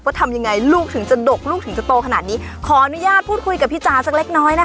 ทำยังไงลูกถึงจะดกลูกถึงจะโตขนาดนี้ขออนุญาตพูดคุยกับพี่จ๋าสักเล็กน้อยนะคะ